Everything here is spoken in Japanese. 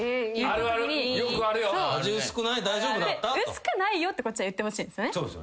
「薄くないよ」ってこっちは言ってほしいんですよね。